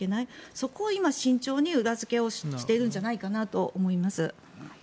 そこを今、慎重に裏付けをしているんじゃないかと思います。